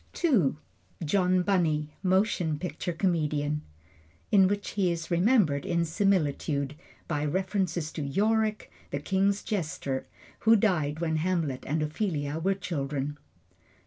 II. John Bunny, Motion Picture Comedian In which he is remembered in similitude, by reference to Yorick, the king's jester, who died when Hamlet and Ophelia were children.